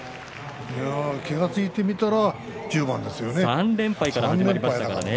気がついてみたら１０番ですよね。